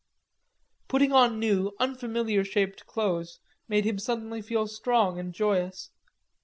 Putting on new, unfamiliar shaped clothes made him suddenly feel strong and joyous.